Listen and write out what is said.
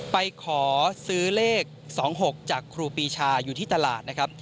ไปขอซื้อเลข๒๖จากครูปีชาอยู่ที่ตลาดนะครับ